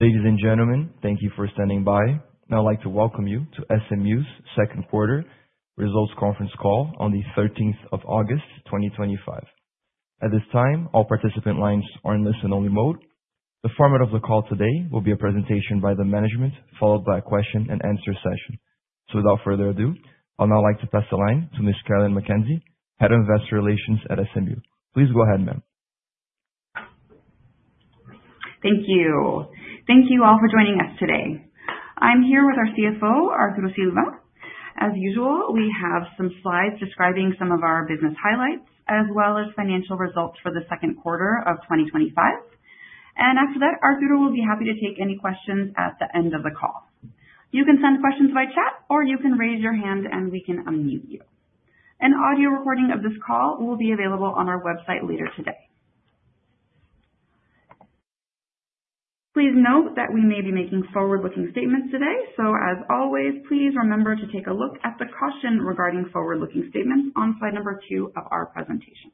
Ladies and gentlemen, thank you for standing by. I'd like to welcome you to SMU's Second Quarter Results Conference Call on the 13th of August, 2025. At this time, all participant lines are in listen only mode. The format of the call today will be a presentation by the management, followed by a question and answer session. Without further ado, I'd now like to pass the line to Ms. Carolyn McKenzie, Head of Investor Relations at SMU. Please go ahead, ma'am. Thank you. Thank you all for joining us today. I'm here with our CFO, Arturo Silva. As usual, we have some slides describing some of our business highlights as well as financial results for the second quarter of 2025. After that, Arturo will be happy to take any questions at the end of the call. You can send questions by chat, or you can raise your hand and we can unmute you. An audio recording of this call will be available on our website later today. Please note that we may be making forward-looking statements today. As always, please remember to take a look at the caution regarding forward-looking statements on slide number two of our presentation.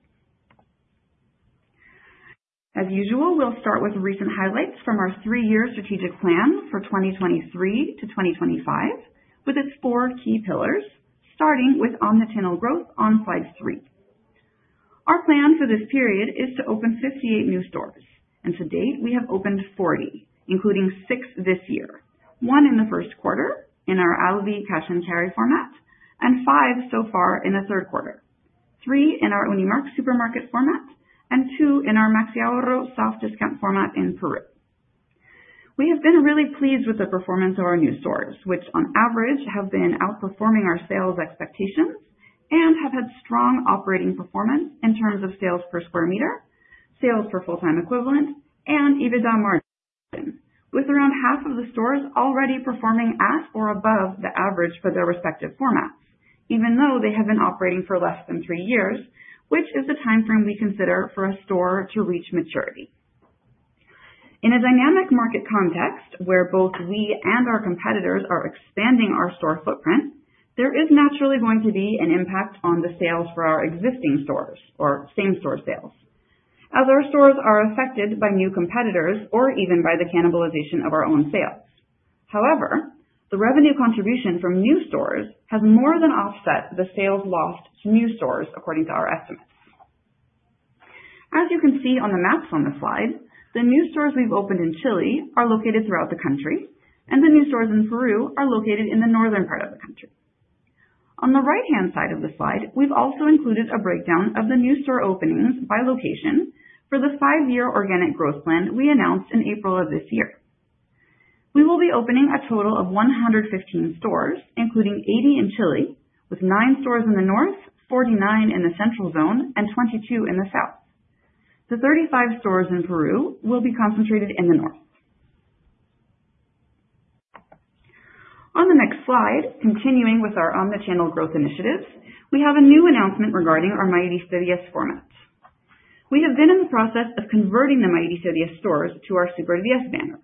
As usual, we'll start with recent highlights from our three-year strategic plan for 2023 to 2025, with its four key pillars, starting with omni-channel growth on slide three. Our plan for this period is to open 58 new stores, and to date, we have opened 40, including six this year. One in the first quarter in our Alvi cash and carry format, and five so far in the third quarter. Three in our Unimarc supermarket format and two in our Maxi Ahorro soft discount format in Peru. We have been really pleased with the performance of our new stores, which on average have been outperforming our sales expectations and have had strong operating performance in terms of sales per square meter, sales per full-time equivalent, and EBITDA margin, with around half of the stores already performing at or above the average for their respective formats, even though they have been operating for less than three years, which is the timeframe we consider for a store to reach maturity. In a dynamic market context where both we and our competitors are expanding our store footprint, there is naturally going to be an impact on the sales for our existing stores or same-store sales, as our stores are affected by new competitors or even by the cannibalization of our own sales. However, the revenue contribution from new stores has more than offset the sales lost to new stores according to our estimates. As you can see on the maps on the slide, the new stores we've opened in Chile are located throughout the country, and the new stores in Peru are located in the northern part of the country. On the right-hand side of the slide, we've also included a breakdown of the new store openings by location for the five-year organic growth plan we announced in April of this year. We will be opening a total of 115 stores, including 80 in Chile, with nine stores in the north, 49 in the central zone, and 22 in the south. The 35 stores in Peru will be concentrated in the north. On the next slide, continuing with our omni-channel growth initiatives, we have a new announcement regarding our Mayorista 10 format. We have been in the process of converting the Mayorista 10 stores to our Super10 banner.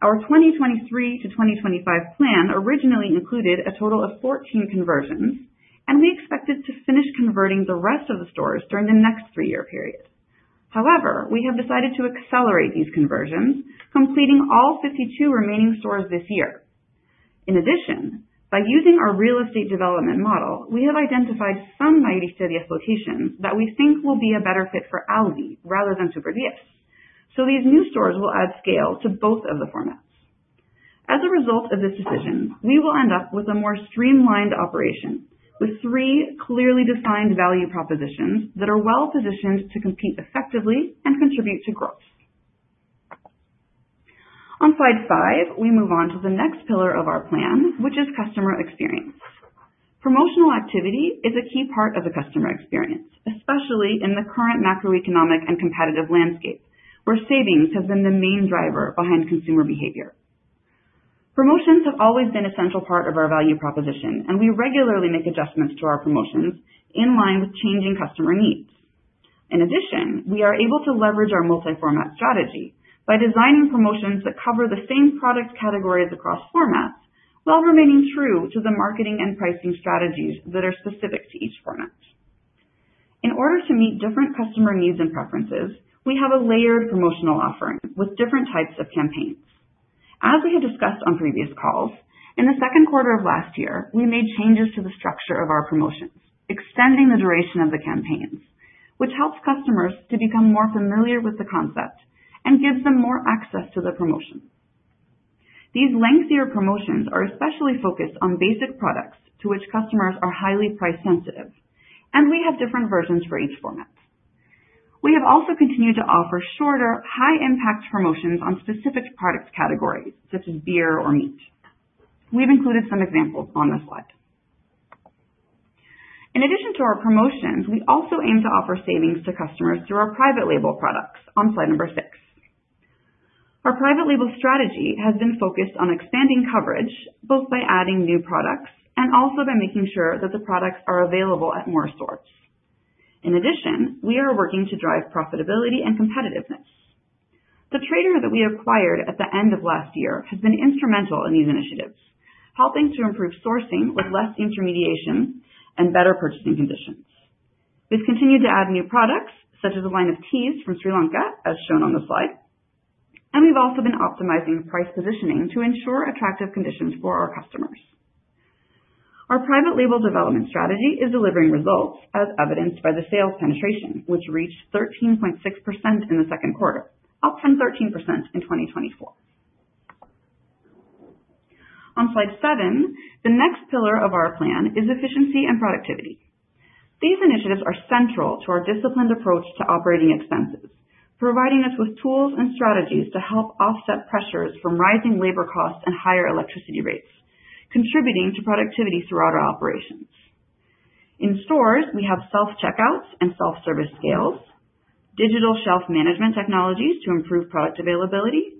Our 2023 to 2025 plan originally included a total of 14 conversions, and we expected to finish converting the rest of the stores during the next three-year period. However, we have decided to accelerate these conversions, completing all 52 remaining stores this year. In addition, by using our real estate development model, we have identified some Mayorista 10 locations that we think will be a better fit for Alvi rather than Super10. These new stores will add scale to both of the formats. As a result of this decision, we will end up with a more streamlined operation with three clearly defined value propositions that are well-positioned to compete effectively and contribute to growth. On slide five, we move on to the next pillar of our plan, which is customer experience. Promotional activity is a key part of the customer experience, especially in the current macroeconomic and competitive landscape, where savings have been the main driver behind consumer behavior. Promotions have always been a central part of our value proposition, and we regularly make adjustments to our promotions in line with changing customer needs. In addition, we are able to leverage our multi-format strategy by designing promotions that cover the same product categories across formats while remaining true to the marketing and pricing strategies that are specific to each format. In order to meet different customer needs and preferences, we have a layered promotional offering with different types of campaigns. As we had discussed on previous calls, in the second quarter of last year, we made changes to the structure of our promotions, extending the duration of the campaigns, which helps customers to become more familiar with the concept and gives them more access to the promotions. These lengthier promotions are especially focused on basic products to which customers are highly price sensitive, and we have different versions for each format. We have also continued to offer shorter high-impact promotions on specific product categories such as beer or meat. We've included some examples on this slide. In addition to our promotions, we also aim to offer savings to customers through our private label products on slide number six. Our private label strategy has been focused on expanding coverage, both by adding new products and also by making sure that the products are available at more stores. In addition, we are working to drive profitability and competitiveness. The trader that we acquired at the end of last year has been instrumental in these initiatives, helping to improve sourcing with less intermediation and better purchasing conditions. We've continued to add new products such as a line of teas from Sri Lanka, as shown on the slide. We've also been optimizing price positioning to ensure attractive conditions for our customers. Our private label development strategy is delivering results as evidenced by the sales penetration, which reached 13.6% in the second quarter, up from 13% in 2024. On slide seven, the next pillar of our plan is efficiency and productivity. These initiatives are central to our disciplined approach to operating expenses, providing us with tools and strategies to help offset pressures from rising labor costs and higher electricity rates, contributing to productivity throughout our operations. In stores, we have self-checkouts and self-service scales, digital shelf management technologies to improve product availability,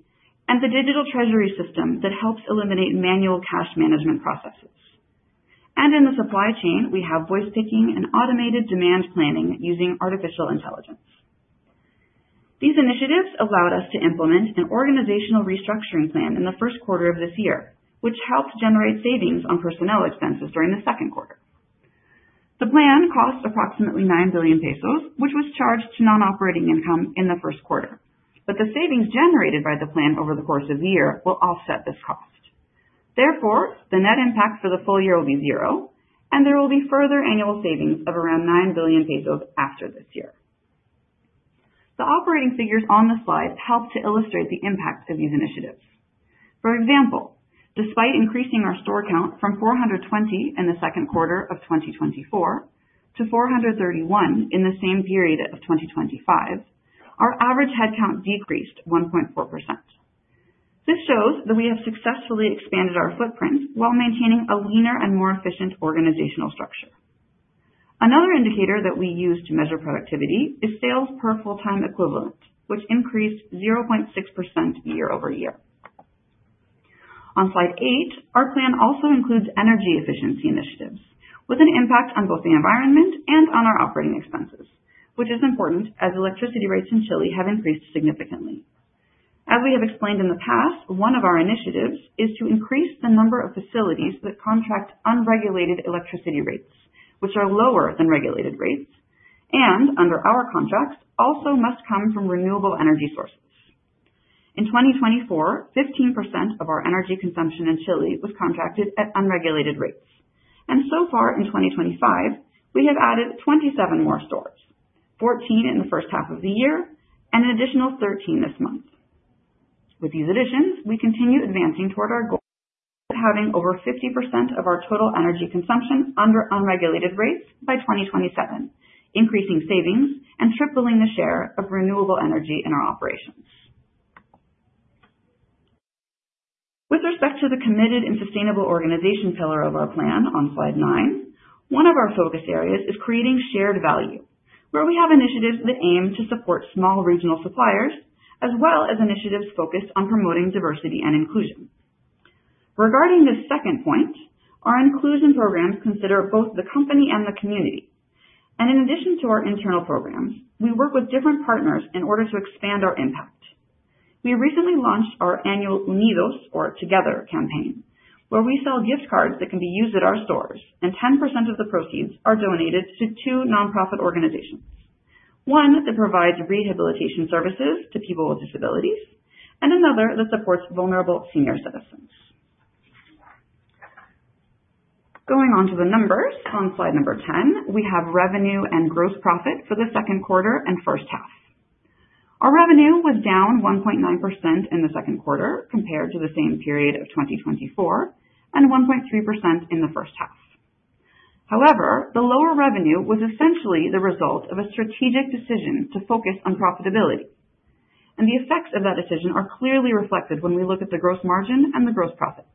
and the digital treasury system that helps eliminate manual cash management processes. In the supply chain, we have voice picking and automated demand planning using artificial intelligence. These initiatives allowed us to implement an organizational restructuring plan in the first quarter of this year, which helped generate savings on personnel expenses during the second quarter. The plan cost approximately 9 billion pesos, which was charged to non-operating income in the first quarter. The savings generated by the plan over the course of the year will offset this cost. Therefore, the net impact for the full year will be zero, and there will be further annual savings of around 9 billion pesos after this year. The operating figures on the slide help to illustrate the impact of these initiatives. For example, despite increasing our store count from 420 in the second quarter of 2024 to 431 in the same period of 2025, our average headcount decreased 1.4%. This shows that we have successfully expanded our footprint while maintaining a leaner and more efficient organizational structure. Another indicator that we use to measure productivity is sales per full-time equivalent, which increased 0.6% year-over-year. On slide eight, our plan also includes energy efficiency initiatives with an impact on both the environment and on our operating expenses, which is important as electricity rates in Chile have increased significantly. As we have explained in the past, one of our initiatives is to increase the number of facilities that contract unregulated electricity rates, which are lower than regulated rates, and under our contracts, also must come from renewable energy sources. In 2024, 15% of our energy consumption in Chile was contracted at unregulated rates, and so far in 2025, we have added 27 more stores, 14 in the first half of the year and an additional 13 this month. With these additions, we continue advancing toward our goal of having over 50% of our total energy consumption under unregulated rates by 2027, increasing savings and tripling the share of renewable energy in our operations. With respect to the committed and sustainable organization pillar of our plan on slide nine, one of our focus areas is creating shared value, where we have initiatives that aim to support small regional suppliers, as well as initiatives focused on promoting diversity and inclusion. Regarding this second point, our inclusion programs consider both the company and the community. In addition to our internal programs, we work with different partners in order to expand our impact. We recently launched our annual Unidos or Together campaign, where we sell gift cards that can be used at our stores, and 10% of the proceeds are donated to two nonprofit organizations. One that provides rehabilitation services to people with disabilities, and another that supports vulnerable senior citizens. Going on to the numbers on slide 10, we have revenue and gross profit for the second quarter and first half. Our revenue was down 1.9% in the second quarter compared to the same period of 2024, and 1.3% in the first half. However, the lower revenue was essentially the result of a strategic decision to focus on profitability, and the effects of that decision are clearly reflected when we look at the gross margin and the gross profit.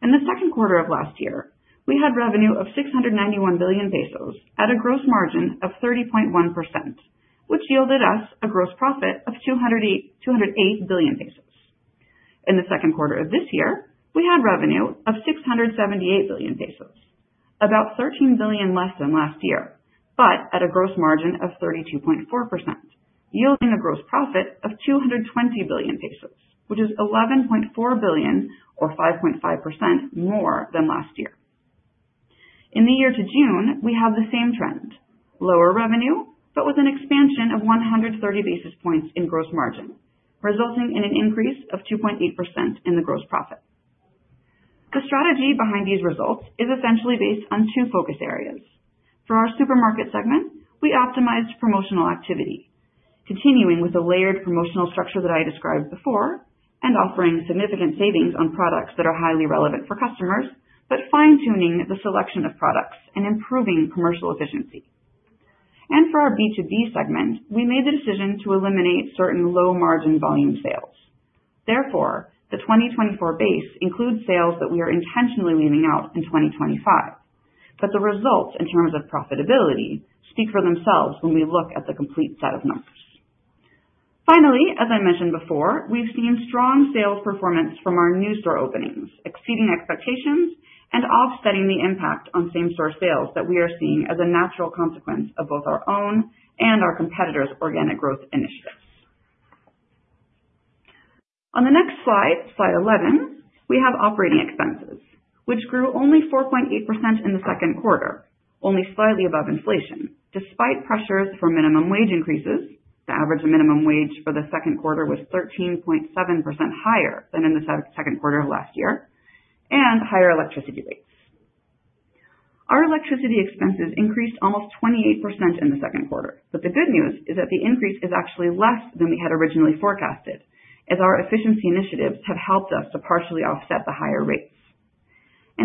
In the second quarter of last year, we had revenue of 691 billion pesos at a gross margin of 30.1%, which yielded us a gross profit of 208 billion pesos. In the second quarter of this year, we had revenue of 678 billion pesos, about 13 billion less than last year, but at a gross margin of 32.4%, yielding a gross profit of 220 billion pesos, which is 11.4 billion or 5.5% more than last year. In the year to June, we have the same trend, lower revenue, but with an expansion of 130 basis points in gross margin, resulting in an increase of 2.8% in the gross profit. The strategy behind these results is essentially based on two focus areas. For our supermarket segment, we optimized promotional activity, continuing with the layered promotional structure that I described before and offering significant savings on products that are highly relevant for customers, but fine-tuning the selection of products and improving commercial efficiency. For our B2B segment, we made the decision to eliminate certain low margin volume sales. Therefore, the 2024 base includes sales that we are intentionally leaving out in 2025. The results in terms of profitability speak for themselves when we look at the complete set of numbers. Finally, as I mentioned before, we've seen strong sales performance from our new store openings, exceeding expectations and offsetting the impact on same-store sales that we are seeing as a natural consequence of both our own and our competitors' organic growth initiatives. On the next slide 11, we have operating expenses, which grew only 4.8% in the second quarter, only slightly above inflation, despite pressures from minimum wage increases. The average minimum wage for the second quarter was 13.7% higher than in the second quarter of last year and higher electricity rates. Our electricity expenses increased almost 28% in the second quarter. The good news is that the increase is actually less than we had originally forecasted, as our efficiency initiatives have helped us to partially offset the higher rates.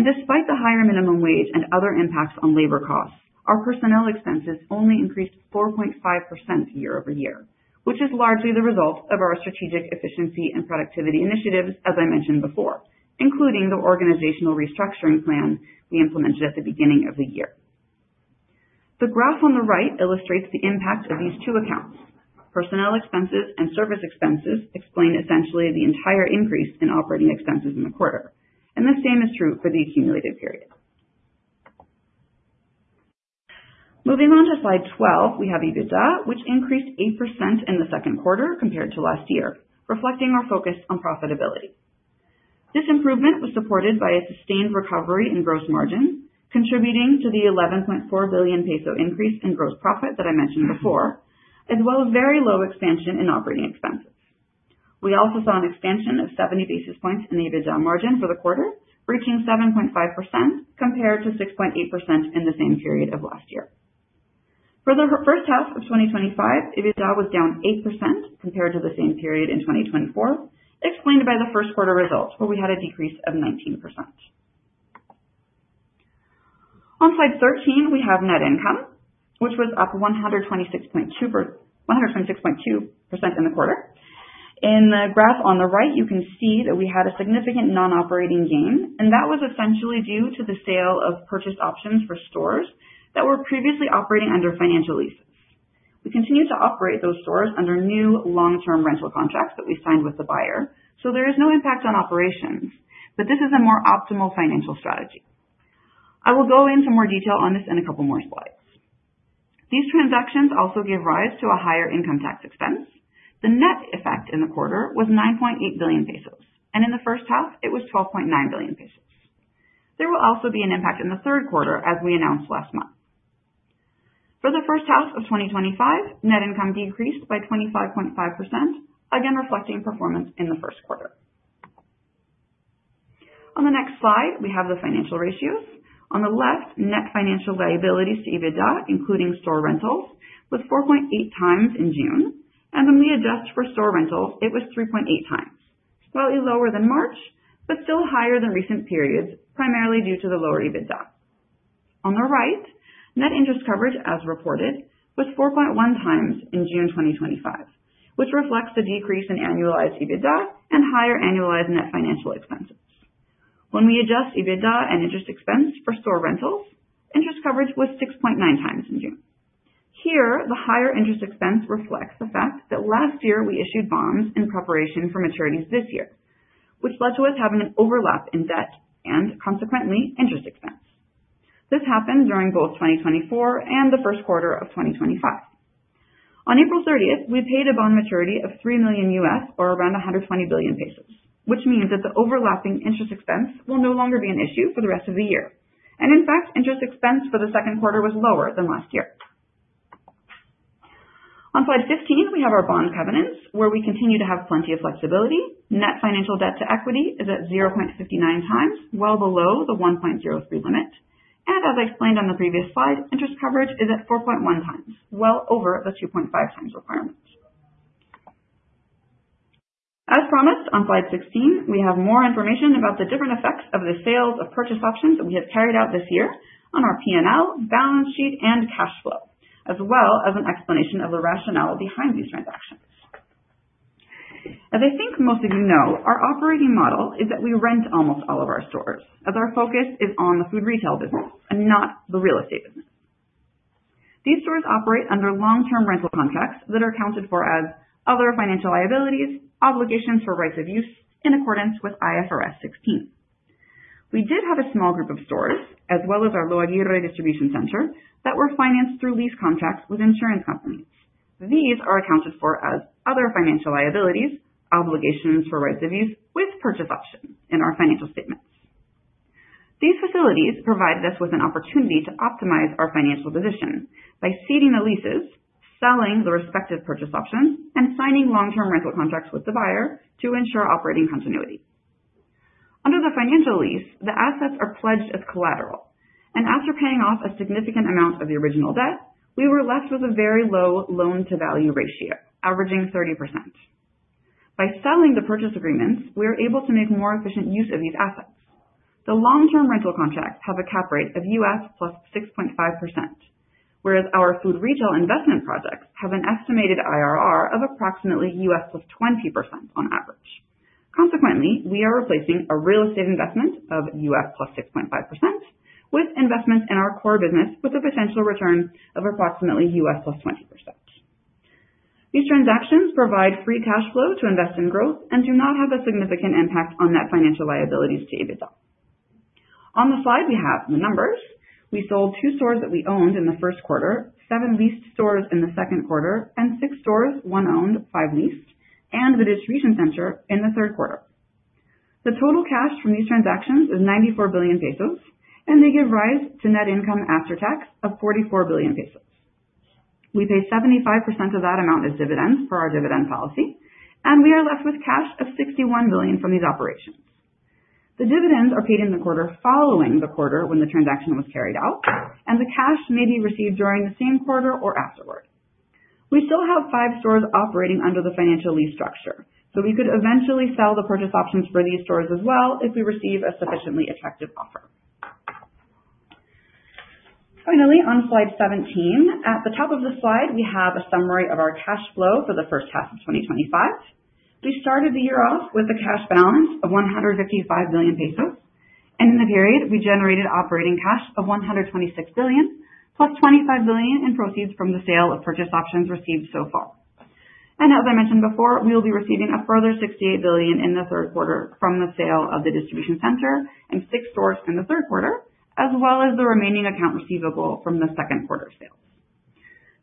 Despite the higher minimum wage and other impacts on labor costs, our personnel expenses only increased 4.5% year-over-year, which is largely the result of our strategic efficiency and productivity initiatives, as I mentioned before, including the organizational restructuring plan we implemented at the beginning of the year. The graph on the right illustrates the impact of these two accounts. Personnel expenses and service expenses explain essentially the entire increase in operating expenses in the quarter, and the same is true for the accumulated period. Moving on to slide 12, we have EBITDA, which increased 8% in the second quarter compared to last year, reflecting our focus on profitability. This improvement was supported by a sustained recovery in gross margin, contributing to the 11.4 billion peso increase in gross profit that I mentioned before, as well as very low expansion in operating expenses. We also saw an expansion of 70 basis points in the EBITDA margin for the quarter, reaching 7.5% compared to 6.8% in the same period of last year. For the first half of 2025, EBITDA was down 8% compared to the same period in 2024, explained by the first quarter results, where we had a decrease of 19%. On slide 13, we have net income, which was up 126.2% in the quarter. In the graph on the right, you can see that we had a significant non-operating gain, and that was essentially due to the sale of purchase options for stores that were previously operating under financial leases. We continue to operate those stores under new long-term rental contracts that we signed with the buyer, so there is no impact on operations, but this is a more optimal financial strategy. I will go into more detail on this in a couple more slides. These transactions also give rise to a higher income tax expense. The net effect in the quarter was 9.8 billion pesos, and in the first half it was 12.9 billion pesos. There will also be an impact in the third quarter, as we announced last month. For the first half of 2025, net income decreased by 25.5%, again reflecting performance in the first quarter. On the next slide, we have the financial ratios. On the left, net financial liabilities to EBITDA, including store rentals, was 4.8x in June. When we adjust for store rentals, it was 3.8x. Slightly lower than March, but still higher than recent periods, primarily due to the lower EBITDA. On the right, net interest coverage, as reported, was 4.1x in June 2025, which reflects the decrease in annualized EBITDA and higher annualized net financial expenses. When we adjust EBITDA and interest expense for store rentals, interest coverage was 6.9x in June. Here, the higher interest expense reflects the fact that last year we issued bonds in preparation for maturities this year, which led to us having an overlap in debt and consequently interest expense. This happened during both 2024 and the first quarter of 2025. On April 30th, we paid a bond maturity of $3 million, or around 120 billion pesos, which means that the overlapping interest expense will no longer be an issue for the rest of the year. In fact, interest expense for the second quarter was lower than last year. On slide 15, we have our bond covenants, where we continue to have plenty of flexibility. Net financial debt to equity is at 0.59x, well below the 1.03x limit. As I explained on the previous slide, interest coverage is at 4.1x, well over the 2.5x requirement. As promised, on slide 16, we have more information about the different effects of the sales of purchase options that we have carried out this year on our P&L, balance sheet and cash flow, as well as an explanation of the rationale behind these transactions. As I think most of you know, our operating model is that we rent almost all of our stores, as our focus is on the food retail business and not the real estate business. These stores operate under long-term rental contracts that are accounted for as other financial liabilities, obligations for rights of use in accordance with IFRS 16. We did have a small group of stores as well as our Lo Aguirre distribution center that were financed through lease contracts with insurance companies. These are accounted for as other financial liabilities, obligations for rights of use with purchase options in our financial statements. These facilities provide us with an opportunity to optimize our financial position by ceding the leases, selling the respective purchase options, and signing long-term rental contracts with the buyer to ensure operating continuity. Under the financial lease, the assets are pledged as collateral, and after paying off a significant amount of the original debt, we were left with a very low loan-to-value ratio averaging 30%. By selling the purchase agreements, we are able to make more efficient use of these assets. The long-term rental contracts have a cap rate of U.S. +6.5%, whereas our food retail investment projects have an estimated IRR of approximately U.S. +20% on average. Consequently, we are replacing a real estate investment of U.S. +6.5% with investments in our core business with a potential return of approximately U.S. +20%. These transactions provide free cash flow to invest in growth and do not have a significant impact on net financial liabilities to EBITDA. On the slide, we have the numbers. We sold two stores that we owned in the first quarter, seven leased stores in the second quarter, and six stores, one owned, five leased, and the distribution center in the third quarter. The total cash from these transactions is 94 billion pesos, and they give rise to net income after tax of 44 billion pesos. We pay 75% of that amount as dividends for our dividend policy, and we are left with cash of 61 billion from these operations. The dividends are paid in the quarter following the quarter when the transaction was carried out, and the cash may be received during the same quarter or afterward. We still have five stores operating under the financial lease structure, so we could eventually sell the purchase options for these stores as well if we receive a sufficiently attractive offer. Finally, on slide 17, at the top of the slide, we have a summary of our cash flow for the first half of 2025. We started the year off with a cash balance of 155 billion pesos, and in the period, we generated operating cash of 126 billion, plus 25 billion in proceeds from the sale of purchase options received so far. As I mentioned before, we will be receiving a further 68 billion in the third quarter from the sale of the distribution center and six stores in the third quarter, as well as the remaining account receivable from the second quarter sales.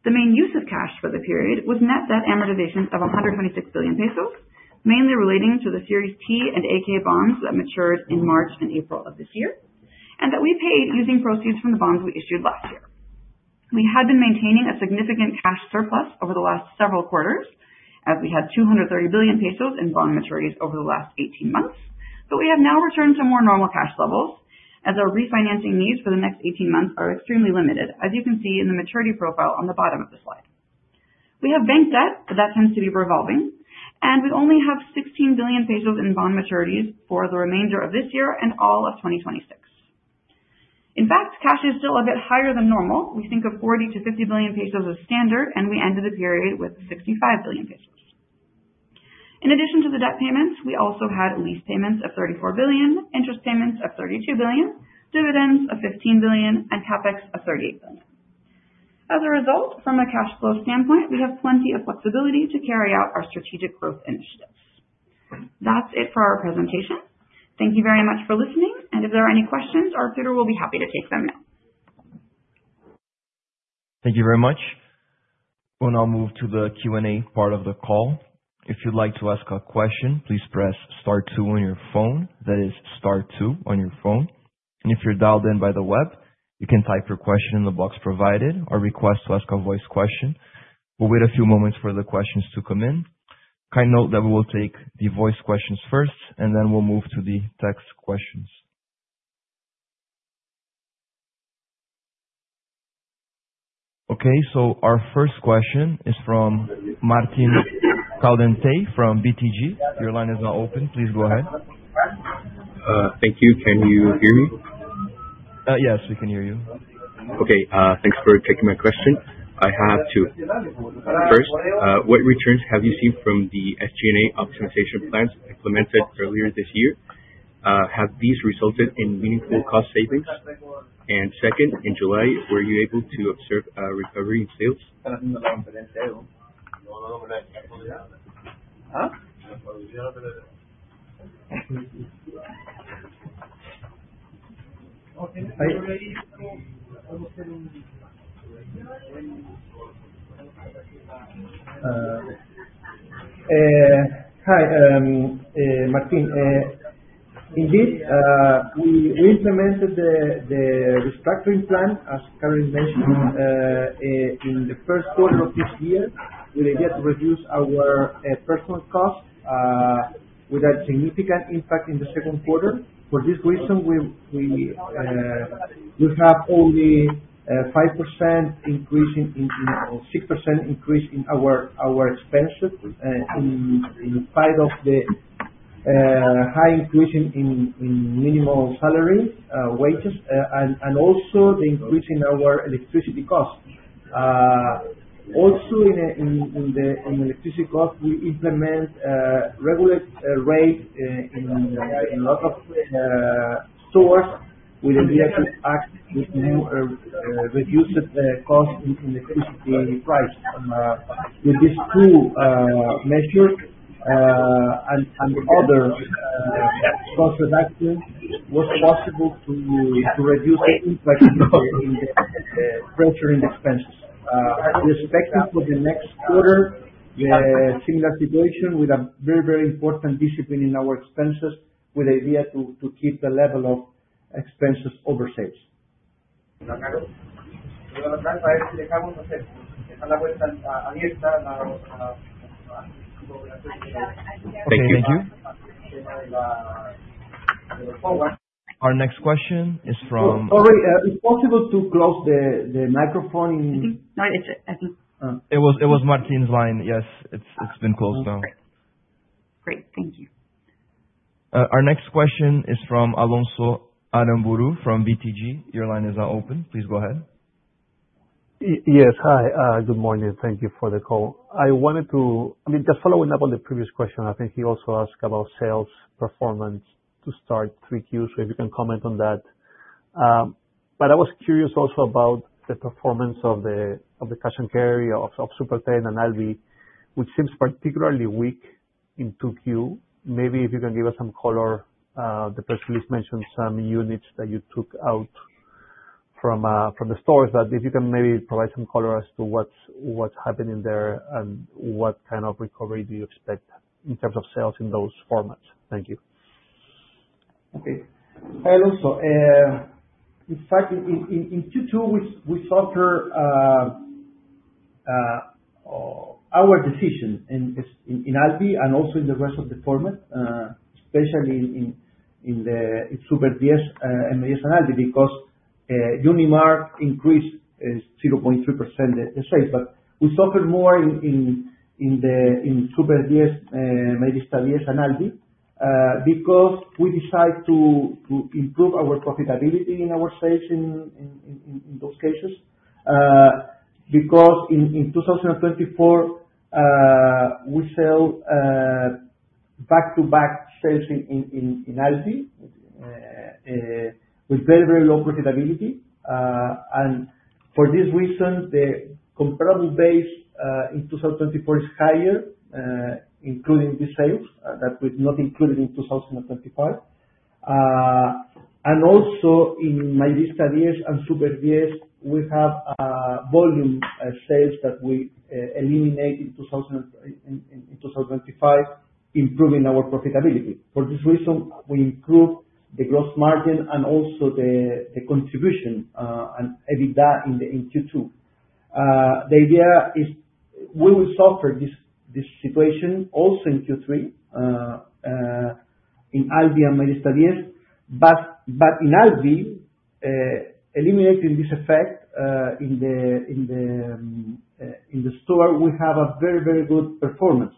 The main use of cash for the period was net debt amortization of 126 billion pesos, mainly relating to the Series T and AK bonds that matured in March and April of this year, and that we paid using proceeds from the bonds we issued last year. We had been maintaining a significant cash surplus over the last several quarters, as we had 230 billion pesos in bond maturities over the last 18 months. We have now returned to more normal cash levels as our refinancing needs for the next 18 months are extremely limited, as you can see in the maturity profile on the bottom of the slide. We have bank debt, but that tends to be revolving, and we only have 16 billion pesos in bond maturities for the remainder of this year and all of 2026. In fact, cash is still a bit higher than normal. We think of 40 billion-50 billion pesos as standard, and we ended the period with 65 billion pesos. In addition to the debt payments, we also had lease payments of 34 billion, interest payments of 32 billion, dividends of 15 billion, and CapEx of 38 billion. As a result, from a cash flow standpoint, we have plenty of flexibility to carry out our strategic growth initiatives. That's it for our presentation. Thank you very much for listening, and if there are any questions, our group will be happy to take them now. Thank you very much. We'll now move to the Q&A part of the call. If you'd like to ask a question, please press star two on your phone. That is star two on your phone. If you're dialed in by the web, you can type your question in the box provided or request to ask a voice question. We'll wait a few moments for the questions to come in. Kindly note that we'll take the voice questions first, and then we'll move to the text questions. Okay. Our first question is from Martin Caldentey from BTG. Your line is now open. Please go ahead. Thank you. Can you hear me? Yes, we can hear you. Okay. Thanks for taking my question. I have two. First, what returns have you seen from the SG&A optimization plans implemented earlier this year? Have these resulted in meaningful cost savings? Second, in July, were you able to observe a recovery in sales? Hi, Martin. Indeed, we implemented the restructuring plan, as Carol mentioned, in the first quarter of this year. We just reduced our personnel costs with a significant impact in the second quarter. For this reason, we have only 5% increase or 6% increase in our expenses, in spite of the high increase in minimum salary wages and also the increase in our electricity costs. Also in the electricity costs, we implemented a regulated rate in a lot of stores with the idea to achieve new reduced costs in electricity price. With these two measures and other cost reduction was possible to reduce the impact in the structuring expenses. We're expecting for the next quarter a similar situation with a very important discipline in our expenses with the idea to keep the level of expenses over sales. Thank you. Our next question is from-- Sorry, is it possible to close the microphone? No, it's. Thank you. It was Martin's line. Yes. It's been closed now. Great. Thank you. Our next question is from Alonso Aramburu from BTG. Your line is now open. Please go ahead. Yes. Hi. Good morning. Thank you for the call. I mean, just following up on the previous question, I think he also asked about sales performance to start 3Q. If you can comment on that. I was curious also about the performance of the cash and carry of Super10, which seems particularly weak in 2Q. Maybe if you can give us some color. The press release mentioned some units that you took out from the stores. If you can maybe provide some color as to what's happening there and what kind of recovery do you expect in terms of sales in those formats. Thank you. In fact, in 2022, we suffer our decision in Alvi and also in the rest of the format, especially in the Super10 in Alvi, because Unimarc increased 0.3% the sales. We suffered more in Super10 in Alvi because we decide to improve our profitability in our sales in those cases. Because in 2024, we sell back-to-back sales in Alvi with very low profitability. For this reason, the comparable base in 2024 is higher, including these sales that was not included in 2025. Also in Super10, we have volume sales that we eliminate in 2025, improving our profitability. For this reason, we improve the gross margin and also the contribution and EBITDA in Q2. The idea is we will suffer this situation also in Q3 in Alvi and Mayorista 10. In Alvi, eliminating this effect in the store, we have a very good performance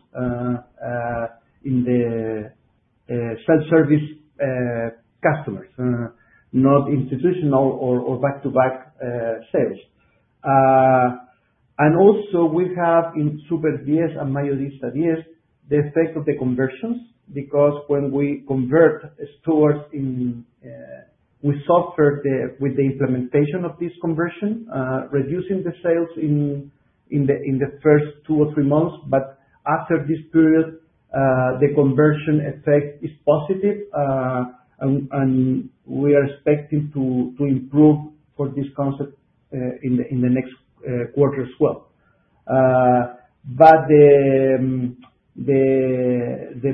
in the self-service customers, not institutional or back-to-back sales. We also have in Super10 and Mayorista 10 the effect of the conversions, because when we convert stores, we suffer with the implementation of this conversion, reducing the sales in the first two or three months. After this period, the conversion effect is positive. We are expecting to improve for this concept in the next quarter as well. The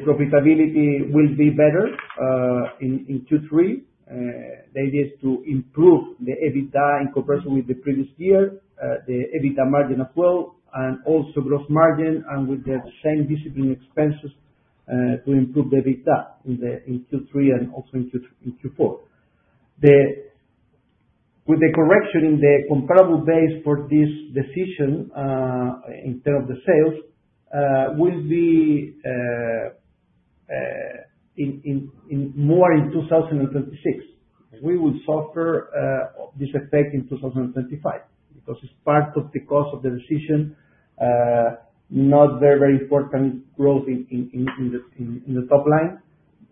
profitability will be better in 2Q23. The idea is to improve the EBITDA in comparison with the previous year, the EBITDA margin as well, and also gross margin and with the same expense discipline, to improve the EBITDA in Q3 and also in Q4. With the correction in the comparable base for this decision, in terms of the sales, will be more in 2026. We will suffer this effect in 2025 because it's part of the cost of the decision, not very important growth in the top line,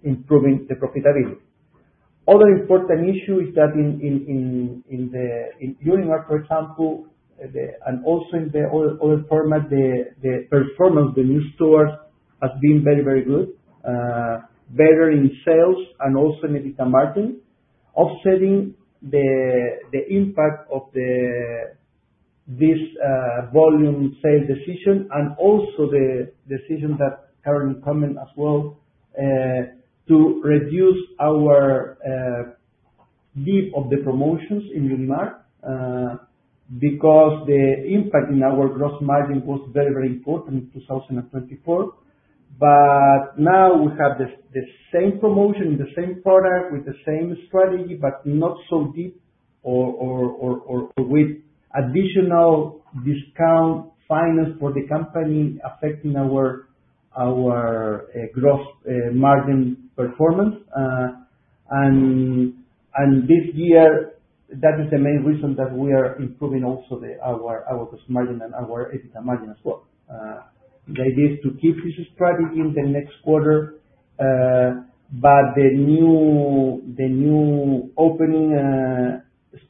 improving the profitability. Other important issue is that in Unimarc, for example, and also in the other format, the performance of the new stores has been very good. Better in sales and also in EBITDA margin, offsetting the impact of this volume sales decision and also the decision that Carol commented as well, to reduce our depth of the promotions in Unimarc. Because the impact in our gross margin was very important in 2024. Now we have the same promotion, the same product with the same strategy, but not so deep with additional discount financing for the company affecting our gross margin performance. This year, that is the main reason that we are improving also our gross margin and our EBITDA margin as well. The idea is to keep this strategy in the next quarter, but the new opening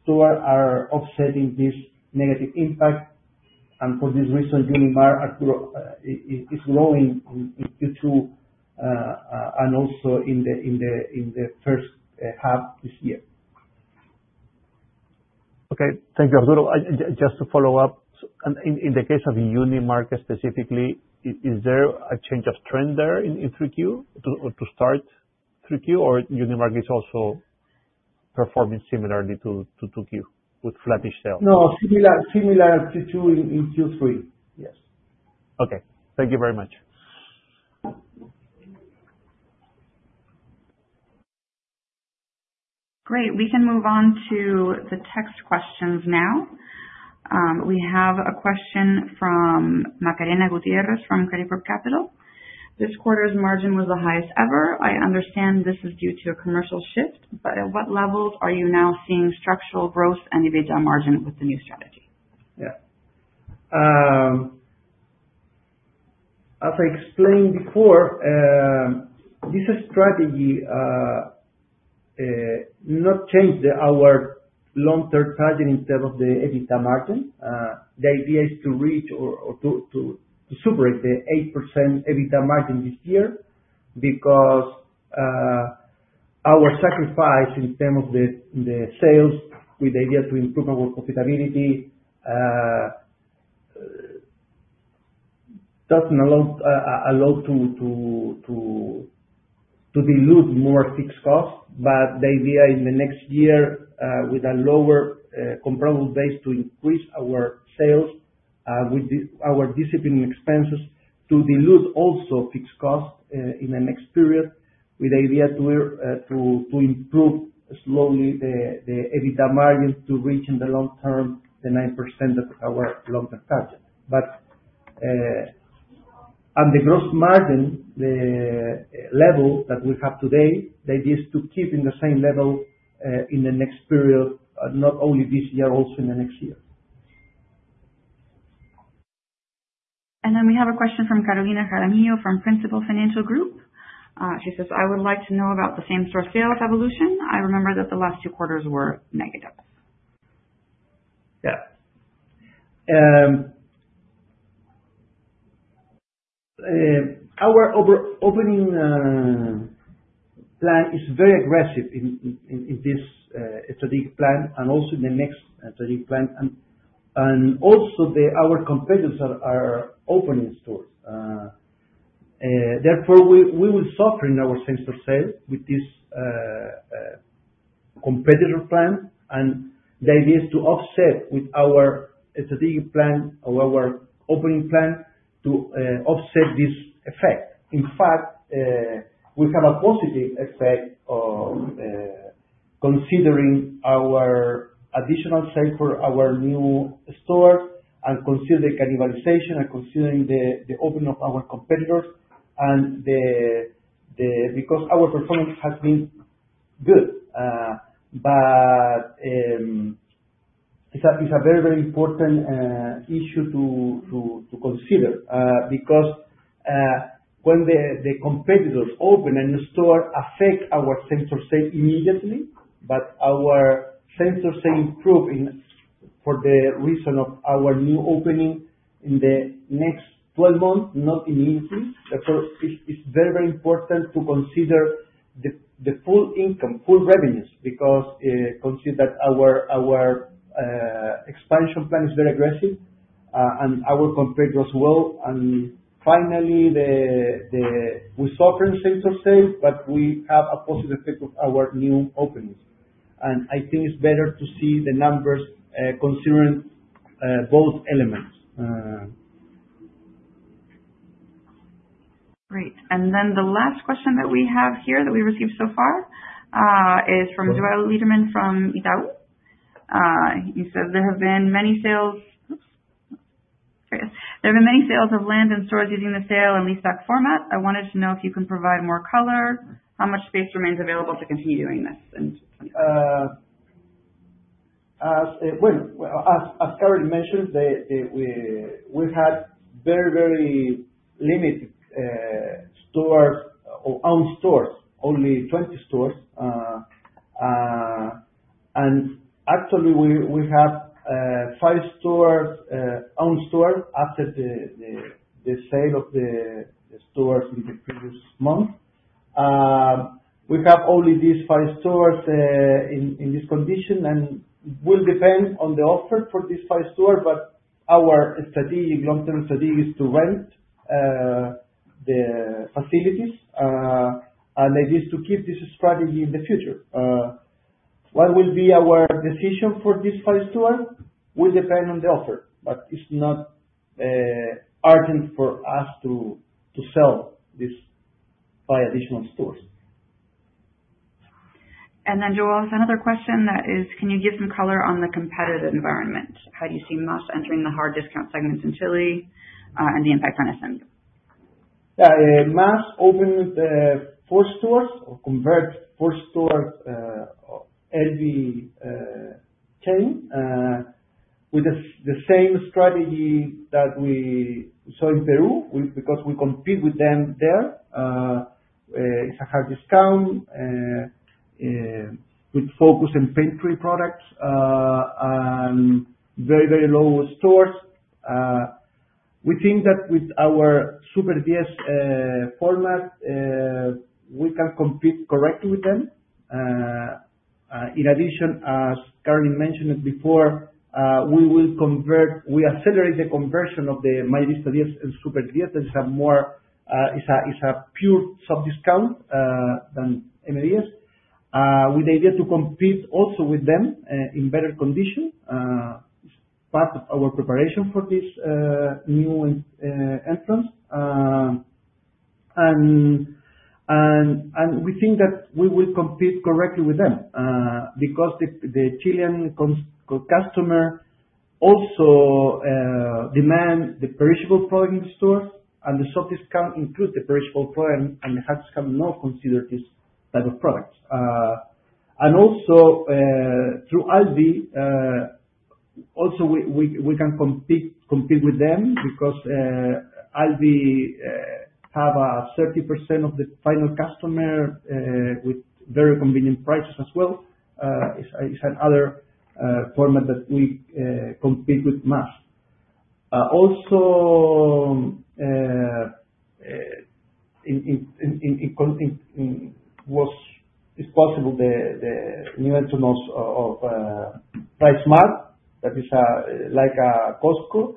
store are offsetting this negative impact. For this reason, Unimarc is growing in 2Q and also in the first half this year. Okay. Thank you, Arturo. Just to follow up. In the case of Unimarc specifically, is there a change of trend there in 3Q too, or to start 3Q, or Unimarc is also performing similarly to 2Q with flattish sales? No, similar to two in Q3. Yes. Okay. Thank you very much. Great. We can move on to the text questions now. We have a question from Macarena Gutiérrez from Credicorp Capital. This quarter's margin was the highest ever. I understand this is due to a commercial shift, but at what levels are you now seeing structural growth and EBITDA margin with the new strategy? Yeah. As I explained before, this strategy does not change our long-term target in terms of the EBITDA margin. The idea is to reach or to surpass the 8% EBITDA margin this year because our sacrifice in terms of the sales with the idea to improve our profitability doesn't allow to dilute more fixed costs. The idea in the next year with a lower comparable base to increase our sales with our disciplined expenses to dilute also fixed costs in the next period with the idea to improve slowly the EBITDA margin to reach in the long term the 9% of our long-term target. The gross margin, the level that we have today, the idea is to keep in the same level, in the next period, not only this year, also in the next year. We have a question from Carolina Jaramillo from Principal Financial Group. She says, "I would like to know about the same-store sales evolution. I remember that the last two quarters were negative. Yeah. Our opening plan is very aggressive in this strategic plan and also in the next strategic plan. Our competitors are opening stores. Therefore, we will suffer in our same-store sales with this competitor plan. The idea is to offset with our strategic plan or our opening plan to offset this effect. In fact, we have a positive effect considering our additional sales for our new stores and considering cannibalization and considering the opening of our competitors. Because our performance has been good. But it's a very important issue to consider because when the competitors open a new store, affect our same-store sales immediately. Our same-store sales improve in, for the reason of our new opening in the next 12 months, not immediately. Therefore, it's very important to consider the full income, full revenues, because consider that our expansion plan is very aggressive, and our competitor as well. Finally, we suffer in same-store sales, but we have a positive effect with our new openings. I think it's better to see the numbers, considering both elements. Great. The last question that we have here that we received so far is from Joel Lederman from Itaú. He says, "There have been many sales of land and stores using the sale and leaseback format. I wanted to know if you can provide more color, how much space remains available to continue doing this? As Carolyn mentioned, we've had very limited owned stores, only 20 stores. Actually, we have five owned stores after the sale of the stores in the previous month. We have only these five stores in this condition. It will depend on the offer for these five stores, but our strategic long-term strategy is to rent the facilities. The idea is to keep this strategy in the future. What will be our decision for this five stores will depend on the offer, but it's not urgent for us to sell these five additional stores. Joel Lederman has another question that is: Can you give some color on the competitive environment? How do you see Mass entering the hard discount segments in Chile, and the impact on SMU? Mass opened or converted four stores, Alvi, with the same strategy that we saw in Peru because we compete with them there. It's a hard discount with focus on pantry products and very low stores. We think that with our Super10 format we can compete correctly with them. In addition, as Carolyn mentioned it before, we accelerate the conversion of the Mayorista 10 and Super10. It's a more pure soft discount than in the years, with the idea to compete also with them in better condition. It's part of our preparation for this new entrant. We think that we will compete correctly with them because the Chilean customer also demands the perishable product in store and the soft discount includes the perishable product and the hard discount does not consider this type of product. Also we can compete with them through Alvi have a 30% of the final customer with very convenient prices as well. It's another format that we compete with Mass. Also it's possible the arrival of PriceSmart that is like a Costco.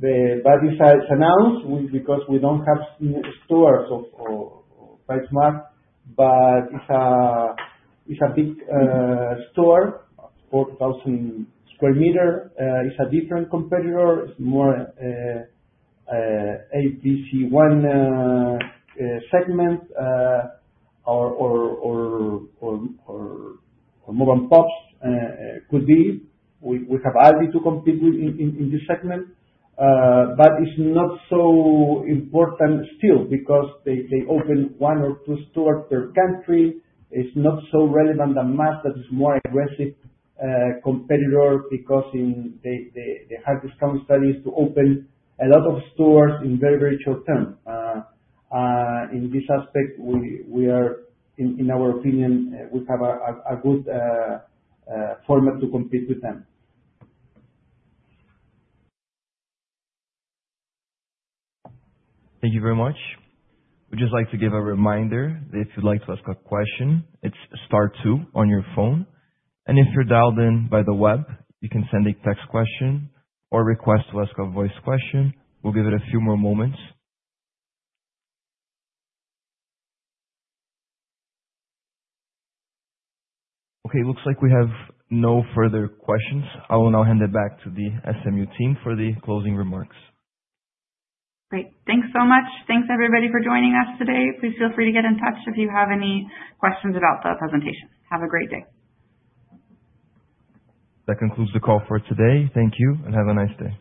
The size announced because we don't have stores of PriceSmart, but it's a big store, 4,000 sq m. It's a different competitor. It's more ABC1 segment or modern shoppers could be. We have Alvi to compete with in this segment. But it's not so important still because they open one or two stores per country. It's not so relevant than Mass that is more aggressive competitor because they have discount stores to open a lot of stores in very short term. In this aspect we are in our opinion we have a good format to compete with them. Thank you very much. We'd just like to give a reminder that if you'd like to ask a question, it's star two on your phone, and if you're dialed in by the web, you can send a text question or request to ask a voice question. We'll give it a few more moments. Okay, looks like we have no further questions. I will now hand it back to the SMU team for the closing remarks. Great. Thanks so much. Thanks everybody for joining us today. Please feel free to get in touch if you have any questions about the presentation. Have a great day. That concludes the call for today. Thank you and have a nice day.